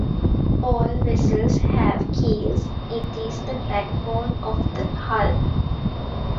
All vessels have keels, it is the backbone of the hull.